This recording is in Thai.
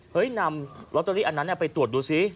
เฮ้ยนำรอตเตอรี่อันนั้นเนี้ยไปตรวจดูซิ